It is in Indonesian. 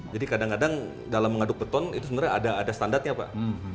jadi kadang kadang dalam mengaduk beton itu sebenarnya ada standarnya pak